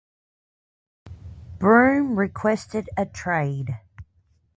Broome requested a trade.